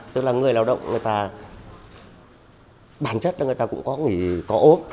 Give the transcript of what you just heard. tức là người lao động người ta bản chất là người ta cũng có nghỉ có uống